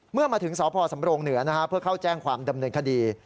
เมื่อมาถึงสพสำรงเหนือเพื่อเข้าแจ้งความดำเนินคดี